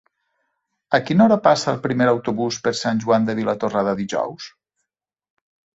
A quina hora passa el primer autobús per Sant Joan de Vilatorrada dijous?